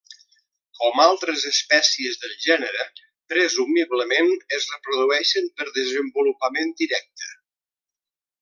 Com altres espècies del gènere, presumiblement es reprodueixen per desenvolupament directe.